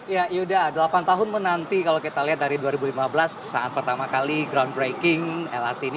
ya yuda delapan tahun menanti kalau kita lihat dari dua ribu lima belas saat pertama kali groundbreaking lrt ini